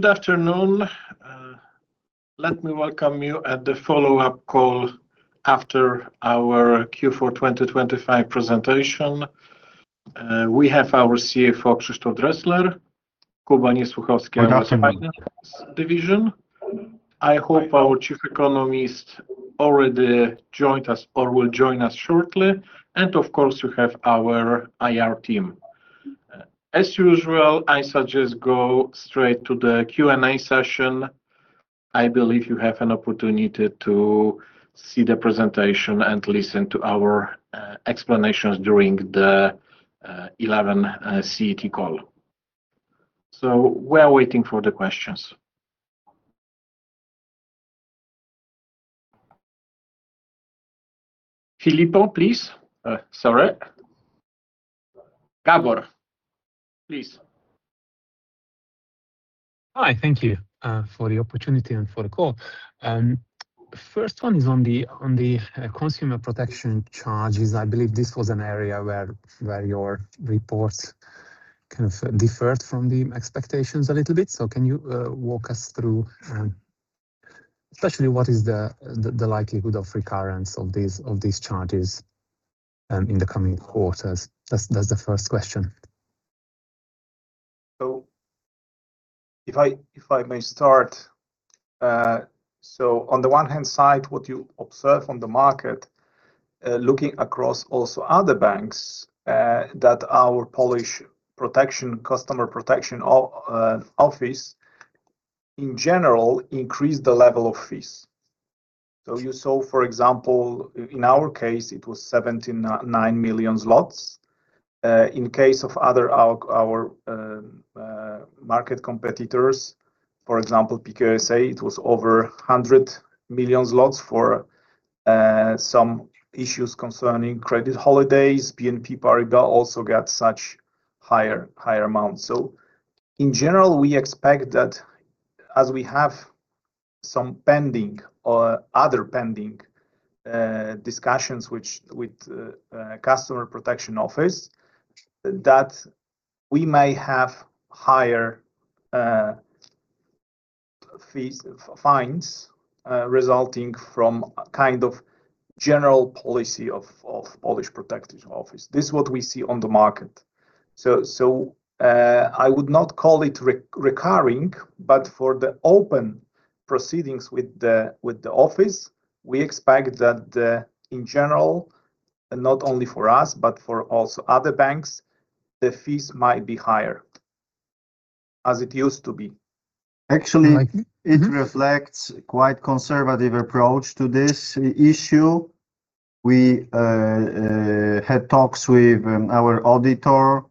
Good afternoon. Let me welcome you at the follow-up call after our Q4 2025 presentation. We have our CFO, Krzysztof Dresler, Jakub Niesłuchowski- We welcome you. From finance division. I hope our chief economist already joined us or will join us shortly, and of course we have our IR team. As usual, I suggest go straight to the Q&A session. I believe you have an opportunity to see the presentation and listen to our explanations during the 11 CET call. We are waiting for the questions. Filippo, please. Sorry. Gabor, please. Hi. Thank you for the opportunity and for the call. First one is on the consumer protection charges. I believe this was an area where your reports kind of differed from the expectations a little bit. Can you walk us through especially what is the likelihood of recurrence of these charges in the coming quarters? That's the first question. If I may start. On the one hand side, what you observe on the market, looking across also other banks, that our Polish customer protection office, in general increase the level of fees. You saw, for example, in our case it was 79 million zlotys. In case of other market competitors, for example, Pekao SA, it was over 100 million zlotys for some issues concerning credit holidays. BNP Paribas also got such higher amounts. In general, we expect that as we have some pending discussions with customer protection office, that we may have higher fines resulting from kind of general policy of Polish customer protection office. This is what we see on the market. I would not call it recurring, but for the open proceedings with the office, we expect that in general, not only for us, but also for other banks, the fees might be higher than it used to be. Actually- Thank you. It reflects quite conservative approach to this issue. We had talks with our auditor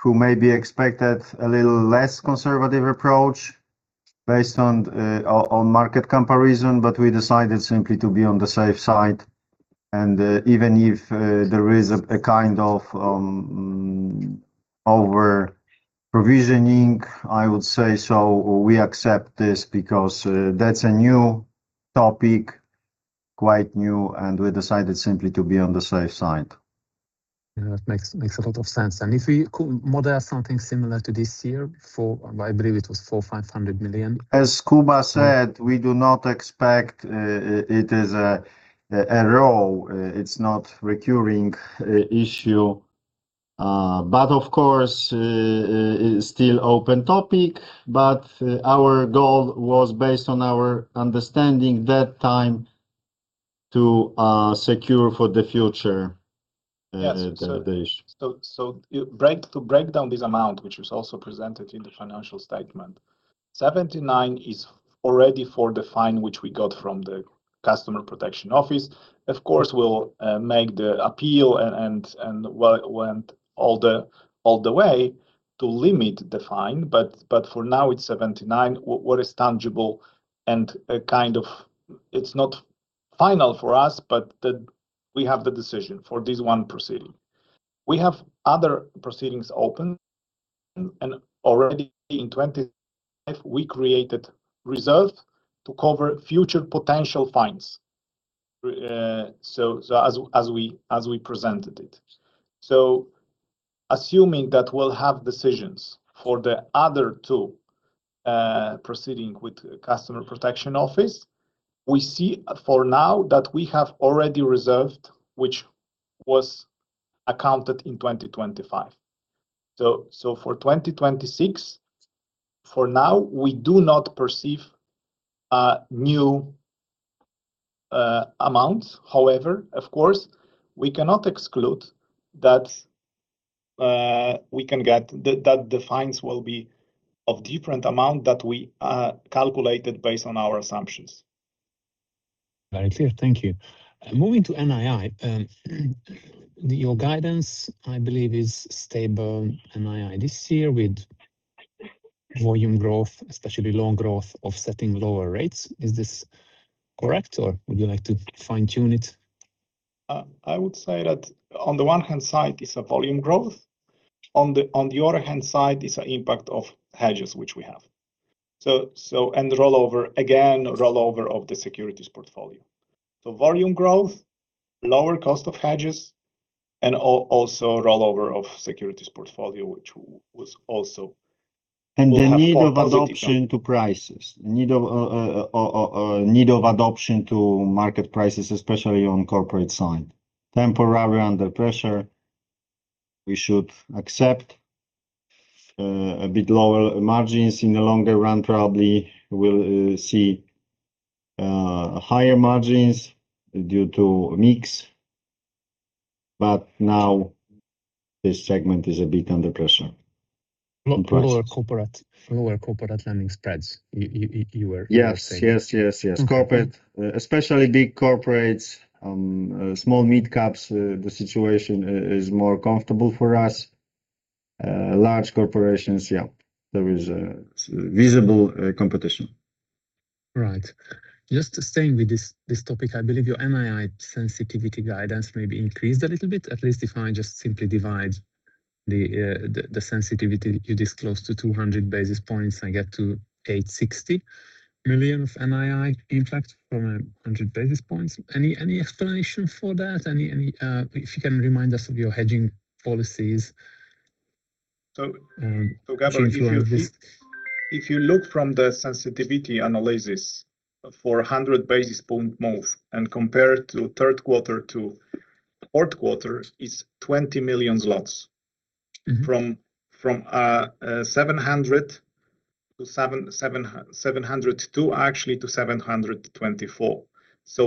who may be expected a little less conservative approach based on market comparison, but we decided simply to be on the safe side. Even if there is a kind of over-provisioning, I would say, so we accept this because that's a new topic, quite new, and we decided simply to be on the safe side. Yeah. That makes a lot of sense. If we could model something similar to this year for, I believe it was 450 million. As Jakub said, we do not expect it is a row. It's not recurring issue. Of course, it's still open topic, but our goal was based on our understanding at that time to secure for the future. Yes. the issue Break down this amount, which was also presented in the financial statement. 79 is already for the fine which we got from the customer protection office. Of course, we'll make the appeal and we went all the way to limit the fine, but for now it's 79. What is tangible, it's not final for us. We have the decision for this one proceeding. We have other proceedings open, and already in 2025 we created reserve to cover future potential fines, as we presented it. Assuming that we'll have decisions for the other two proceedings with customer protection office, we see for now that we have already reserved, which was accounted in 2025. For 2026, for now, we do not perceive a new amount. However, of course, we cannot exclude that we can get that the fines will be of different amount that we calculated based on our assumptions. Very clear. Thank you. Moving to NII. Your guidance, I believe, is stable NII this year with volume growth, especially loan growth offsetting lower rates. Is this correct, or would you like to fine-tune it? I would say that on the one hand side is volume growth. On the other hand side is an impact of hedges, which we have, and the rollover of the securities portfolio. Volume growth, lower cost of hedges, rollover of securities portfolio, which will also have positive. A need of adaptation to market prices, especially on corporate side. Temporarily under pressure, we should accept a bit lower margins. In the longer run, probably we'll see higher margins due to mix. Now this segment is a bit under pressure. Lower corporate. Lower corporate lending spreads, you were saying. Yes. Corporate, especially big corporates, small mid caps, the situation is more comfortable for us. Large corporations, yeah, there is a visible competition. Right. Just staying with this topic, I believe your NII sensitivity guidance maybe increased a little bit, at least if I just simply divide the sensitivity you disclosed to 200 basis points, I get to 860 million of NII impact from 100 basis points. Any. If you can remind us of your hedging policies. Gabor, if you. Change your list. If you look from the sensitivity analysis for a 100 basis point move and compare to third quarter to fourth quarter, it's 20 million zlotys. From 700-702 actually to 724.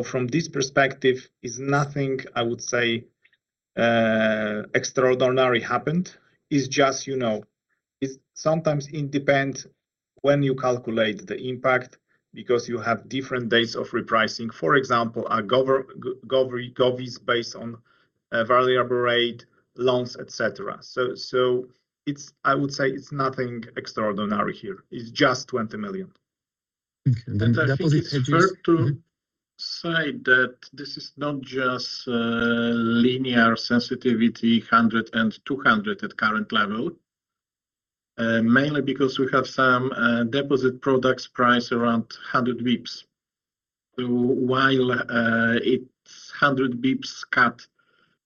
From this perspective is nothing I would say extraordinary happened. It's just, you know. It sometimes depends when you calculate the impact because you have different dates of repricing. For example, our portfolio-gov is based on variable rate loans, et cetera. I would say it's nothing extraordinary here. It's just 20 million. Okay. Deposit hedges. I think it's worth to say that this is not just linear sensitivity, 100 and 200 at current level, mainly because we have some deposit products priced around 100 basis points. While it's 100 basis points cut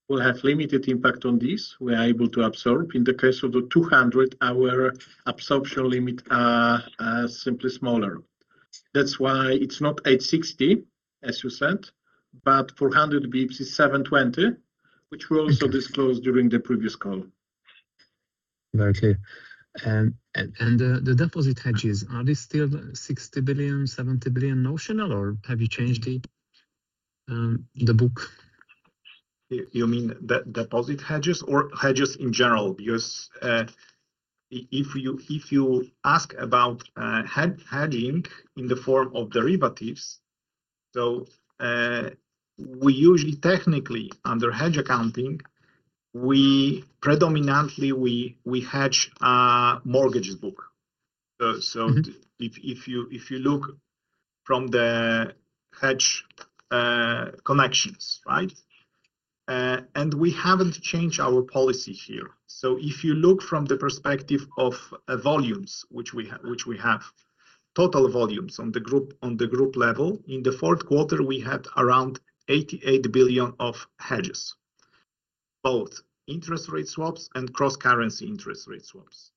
will have limited impact on this, we are able to absorb. In the case of the 200, our absorption limit are simply smaller. That's why it's not 860, as you said, but for 100 basis points it's 720, which we also disclosed during the previous call. Very clear. The deposit hedges, are they still 60 billion-70 billion notional or have you changed it, the book? You mean deposit hedges or hedges in general? Because if you ask about hedging in the form of derivatives, we usually technically under hedge accounting, we predominantly hedge our mortgages book. If you look from the hedge connections, right. We haven't changed our policy here. If you look from the perspective of volumes which we have, total volumes on the group level, in the fourth quarter we had around 88 billion of hedges, both interest rate swaps and cross-currency interest rate swaps.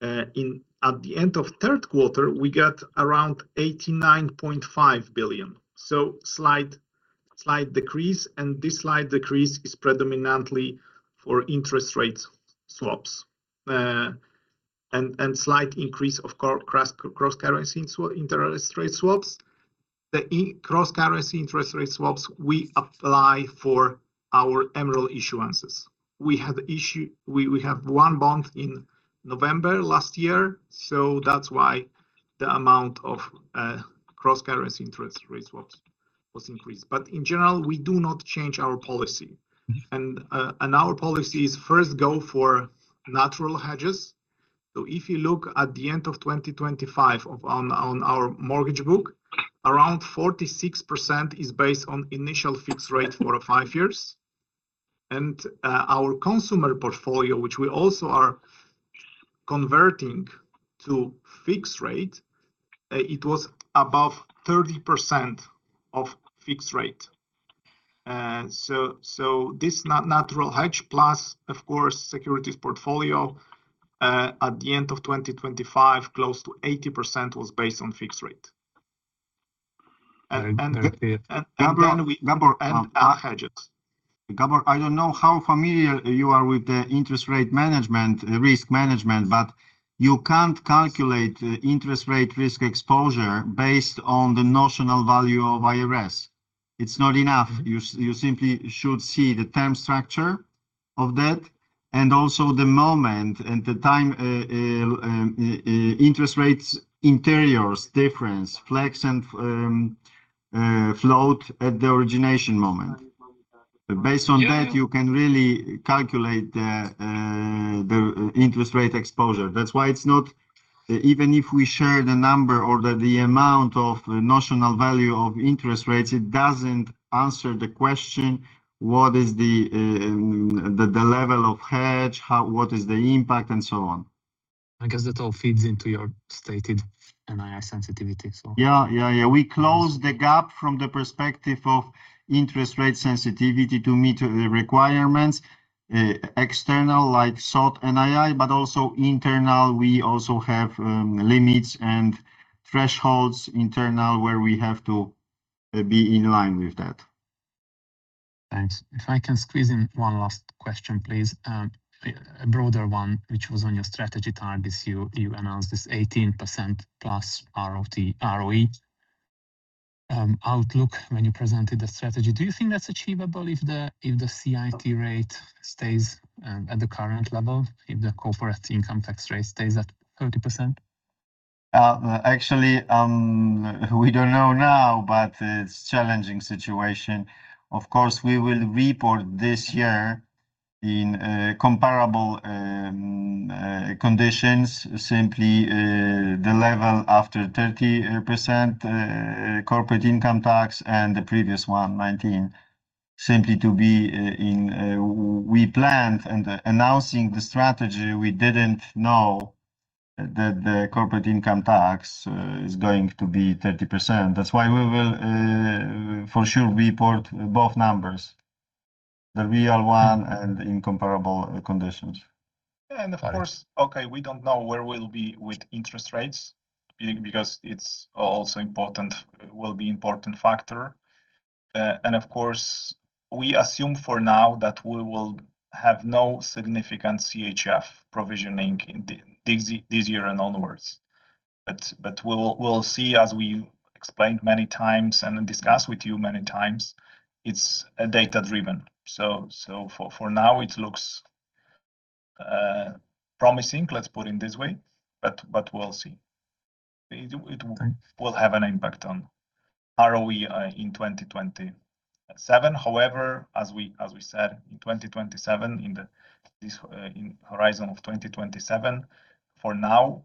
At the end of third quarter, we got around 89.5 billion. Slight decrease, and this slight decrease is predominantly for interest rate swaps. Slight increase of cross-currency interest rate swaps. Cross-currency interest rate swaps we apply for our Eurobond issuances. We have one bond in November last year, so that's why the amount of cross-currency interest rate swaps was increased. In general, we do not change our policy. Our policy is first go for natural hedges. If you look at the end of 2025 on our mortgage book, around 46% is based on initial fixed rate for five years. Our consumer portfolio, which we also are converting to fixed rate, it was above 30% of fixed rate. This natural hedge plus of course securities portfolio at the end of 2025, close to 80% was based on fixed rate. Very clear. And, and then we- Gabor, Our hedges. Gabor, I don't know how familiar you are with the interest rate management, risk management, but you can't calculate interest rate risk exposure based on the notional value of IRS. It's not enough. You simply should see the term structure of that and also the moment and the time, interest rates interest difference, fixed and float at the origination moment. Yeah, yeah. Based on that you can really calculate the interest rate exposure. That's why it's not. Even if we share the number or the amount of the notional value of interest rates, it doesn't answer the question, what is the level of hedge, what is the impact, and so on. I guess that all feeds into your stated NII sensitivity so. Yeah. We closed the gap from the perspective of interest rate sensitivity to meet the requirements, external, like SOT, NII, but also internal. We also have limits and thresholds internal where we have to be in line with that. Thanks. If I can squeeze in one last question, please. A broader one, which was on your strategy targets. You announced this 18%+ ROE outlook when you presented the strategy. Do you think that's achievable if the CIT rate stays at the current level, if the corporate income tax rate stays at 30%? Actually, we don't know now, but it's challenging situation. Of course, we will report this year in comparable conditions, simply the level after 30% corporate income tax and the previous one, 19%. Simply to be in. We planned and announcing the strategy, we didn't know that the corporate income tax is going to be 30%. That's why we will for sure report both numbers, the real one and in comparable conditions. Okay, we don't know where we'll be with interest rates because it's also important, will be important factor. We assume for now that we will have no significant CHF provisioning in this year and onwards. We'll see, as we explained many times and discussed with you many times, it's data-driven. For now it looks promising, let's put it this way, but we'll see. Okay. It will have an impact on ROE in 2027. However, as we said, in 2027, in this horizon of 2027, for now,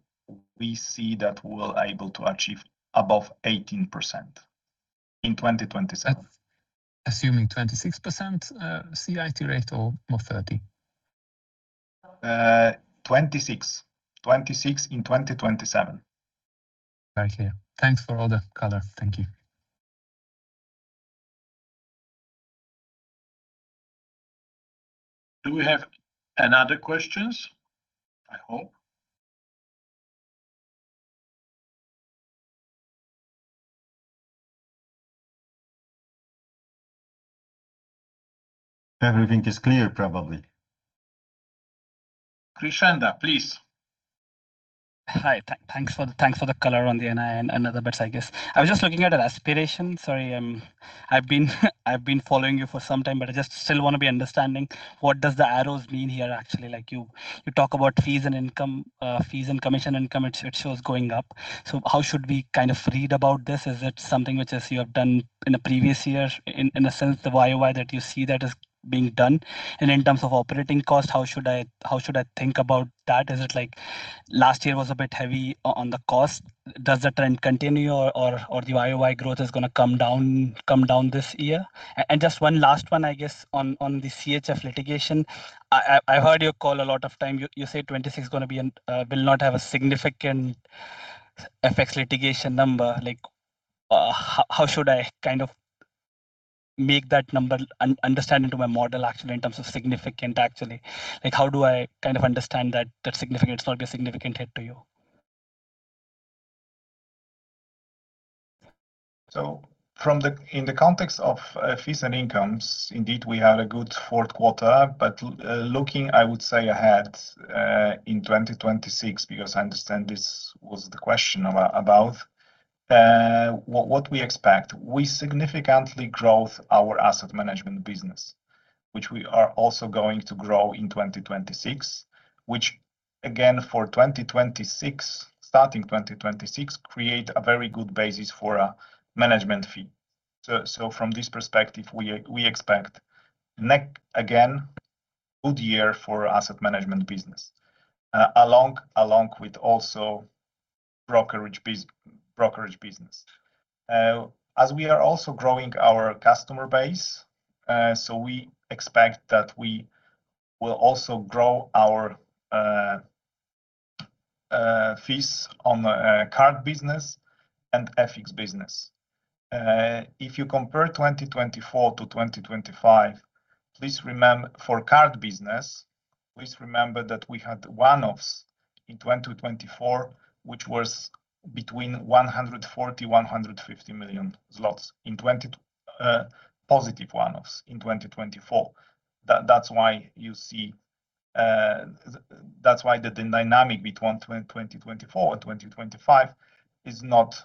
we see that we're able to achieve above 18% in 2027. Assuming 26% CIT rate or 30? 26. 26 in 2027. Very clear. Thanks for all the color. Thank you. Do we have any other questions? I hope. Everything is clear, probably. Krishand, please. Hi, thanks for the color on the NII and other bits, I guess. I was just looking at an aspiration. Sorry, I've been following you for some time, but I just still wanna be understanding what does the arrows mean here, actually. Like, you talk about fees and income, fees and commission income, it shows going up. How should we kind of read about this? Is it something which is you have done in the previous year in a sense, the YoY that you see that is being done? In terms of operating costs, how should I think about that? Is it like last year was a bit heavy on the cost? Does the trend continue or the YoY growth is gonna come down this year? Just one last one, I guess, on the CHF litigation. I heard you say a lot of times 2026 will not have a significant FX litigation number. Like, how should I kind of understand that number in my model, actually, in terms of significant, actually? Like, how do I kind of understand that significance, not a significant hit to you? In the context of fees and incomes, indeed, we had a good fourth quarter. Looking, I would say, ahead in 2026, because I understand this was the question about what we expect. We significantly grew our asset management business, which we are also going to grow in 2026, which again, for 2026, starting 2026, creates a very good basis for a management fee. From this perspective, we expect next, again, good year for asset management business. Along with also brokerage business. As we are also growing our customer base, so we expect that we will also grow our fees on the card business and FX business. If you compare 2024-2025, please remember. For card business, please remember that we had one-offs in 2024, which was between 140 million and 150 million zlotys. Positive one-offs in 2024. That's why you see. That's why the dynamic between 2024 and 2025 is not,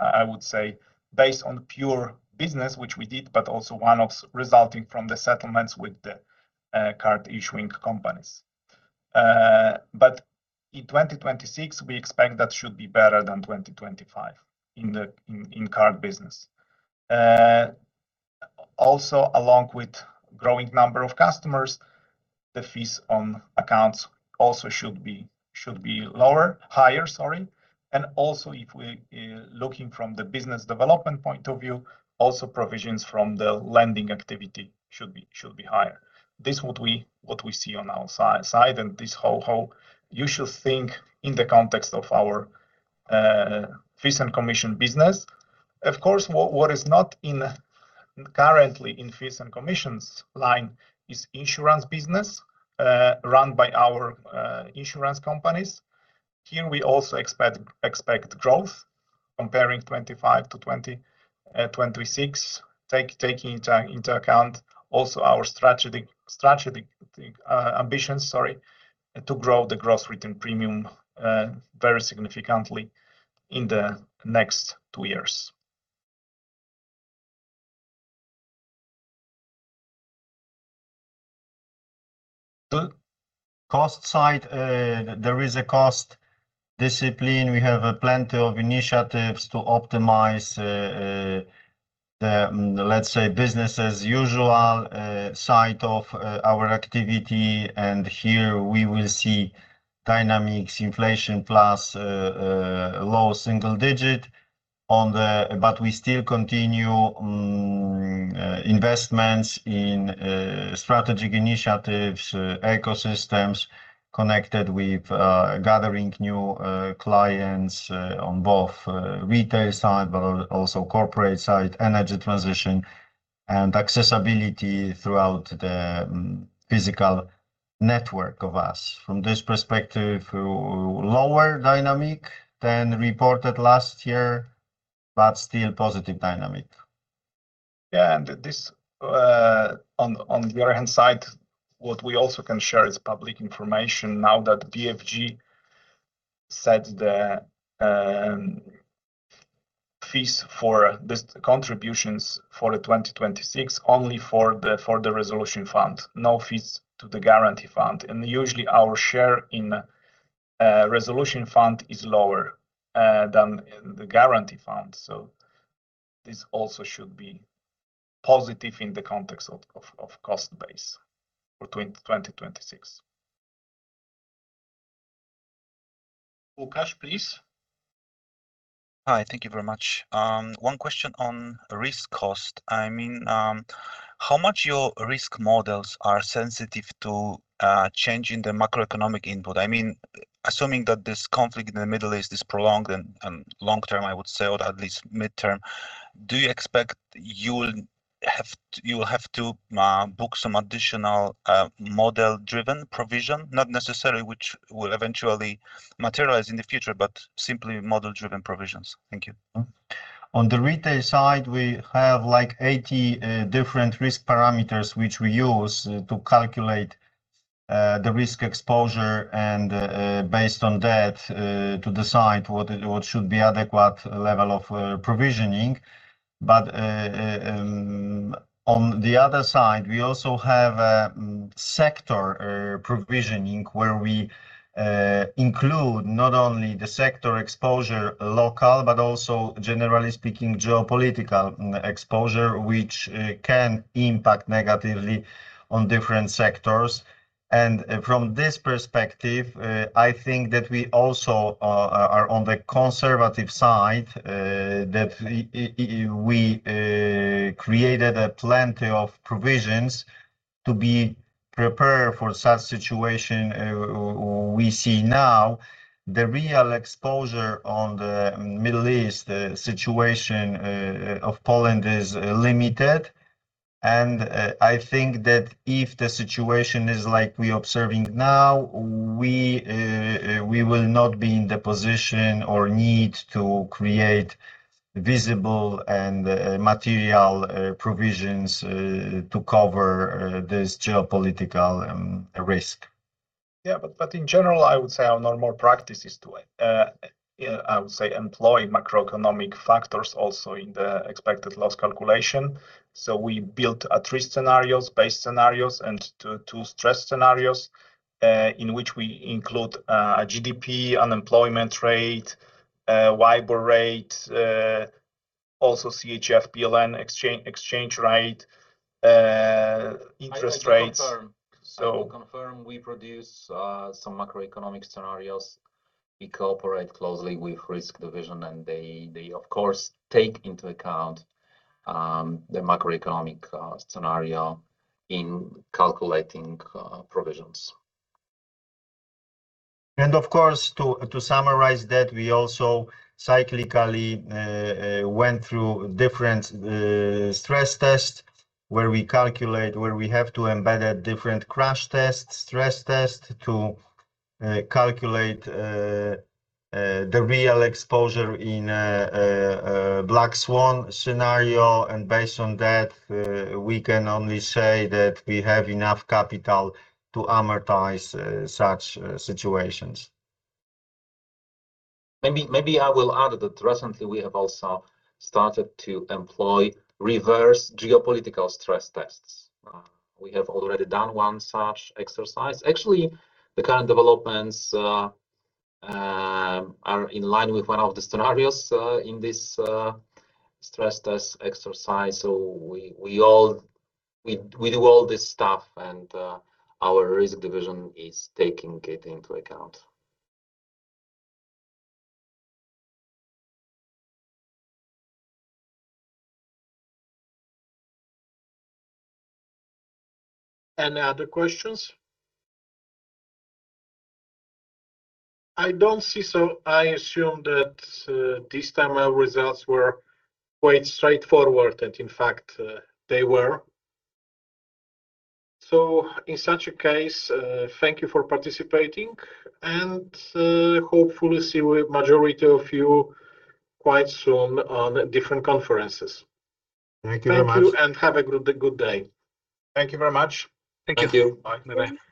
I would say, based on pure business, which we did, but also one-offs resulting from the settlements with the card issuing companies. But in 2026, we expect that should be better than 2025 in the card business. Also along with growing number of customers, the fees on accounts also should be lower, higher, sorry. Also if we looking from the business development point of view, also provisions from the lending activity should be higher. This is what we see on our side, and this is how you should think in the context of our fees and commissions business. Of course, what is not currently in fees and commissions line is insurance business run by our insurance companies. Here we also expect growth comparing 2025-2026, taking into account also our strategic ambitions to grow the gross written premium very significantly in the next two years. The cost side, there is a cost discipline. We have a plenty of initiatives to optimize, let's say, business as usual, side of, our activity. Here we will see dynamics inflation plus, low single digit on the. We still continue investments in strategic initiatives, ecosystems connected with gathering new clients on both retail side but also corporate side, energy transition and accessibility throughout the physical network of us. From this perspective, lower dynamic than reported last year, but still positive dynamic. Yeah. This, on the other hand side, what we also can share is public information now that BFG set the fees for this contributions for the 2026 only for the resolution fund, no fees to the guarantee fund. Usually our share in resolution fund is lower than in the guarantee fund. This also should be positive in the context of cost base for 2026. Łukasz, please. Hi. Thank you very much. One question on risk cost. I mean, how much your risk models are sensitive to change in the macroeconomic input? I mean, assuming that this conflict in the Middle East is prolonged and long-term, I would say, or at least midterm, do you expect you will have to book some additional model-driven provision? Not necessarily, which will eventually materialize in the future, but simply model-driven provisions. Thank you. On the retail side, we have like 80 different risk parameters, which we use to calculate the risk exposure and based on that to decide what should be adequate level of provisioning. On the other side, we also have sector provisioning where we include not only the sector exposure local, but also, generally speaking, geopolitical exposure, which can impact negatively on different sectors. From this perspective, I think that we also are on the conservative side that we created plenty of provisions to be prepared for such situation we see now. The real exposure on the Middle East, the situation, of Poland is limited. I think that if the situation is like we observing now, we will not be in the position or need to create visible and material provisions to cover this geopolitical risk. Yeah. In general, I would say our normal practice is to employ macroeconomic factors also in the expected loss calculation. We built three scenarios, base scenarios and two stress scenarios, in which we include GDP, unemployment rate, WIBOR rate, also CHF/PLN exchange rate, interest rates. I do confirm we produce some macroeconomic scenarios. We cooperate closely with risk division, and they of course take into account the macroeconomic scenario in calculating provisions. Of course to summarize that, we also cyclically went through different stress tests where we have to embed a different stress test to calculate the real exposure in a black swan scenario. Based on that, we can only say that we have enough capital to amortize such situations. Maybe I will add that recently we have also started to employ reverse geopolitical stress tests. We have already done one such exercise. Actually, the current developments are in line with one of the scenarios in this stress test exercise. We do all this stuff and our risk division is taking it into account. Any other questions? I don't see, so I assume that this time our results were quite straightforward, and in fact, they were. In such a case, thank you for participating and hopefully see you with majority of you quite soon on different conferences. Thank you very much. Thank you and have a good day. Thank you very much. Thank you. Bye. Bye-bye. Bye.